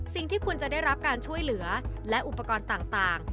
สิ่งที่คุณจะได้รับการช่วยเหลือและอุปกรณ์ต่าง